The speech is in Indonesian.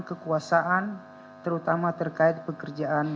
kekuasaan terutama terkait pekerjaan